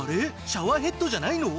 シャワーヘッドじゃないの？